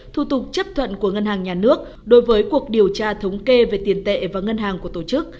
thủ tục chấp thuận của ngân hàng nhà nước đối với cuộc điều tra thống kê về tiền tệ và ngân hàng của tổ chức